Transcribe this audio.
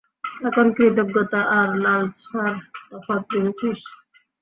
এখন কৃতজ্ঞতা আর লালসার তফাত বুঝেছিস?